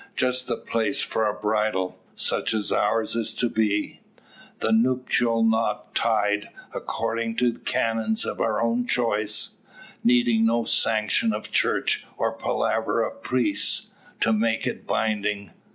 Just the place for a bridal, such as ours is to be. The nuptial knot tied, according to canons of our own choice, needing no sanction of church, or palaver of priests, to make it binding."